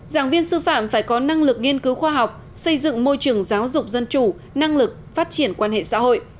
giảng viên sư phạm phải có năng lực nghiên cứu khoa học xây dựng môi trường giáo dục dân chủ năng lực phát triển quan hệ xã hội